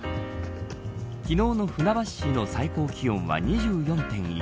昨日の船橋市の最高気温は２４．１度。